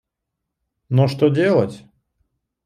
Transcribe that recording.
Но что делать!